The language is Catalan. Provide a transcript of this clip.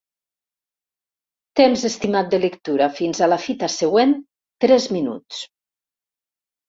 Temps estimat de lectura fins a la fita següent: tres minuts.